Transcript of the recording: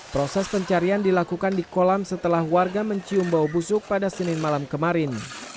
proses pencarian dilakukan di kolam setelah warga mencium bau busuk pada senin malam kemarin